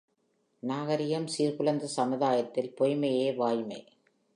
நாகரிகம் சீர்குலைந்த சமுதாயத்தில் பொய்ம்மையே வாய்மை.